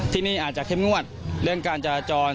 ที่นี่อาจจะเข้มงวดเรื่องการจราจร